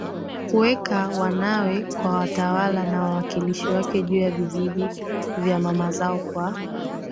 kuweka wanawe kama watawala na wawakilishi wake juu ya vijiji vya mama zao Kwa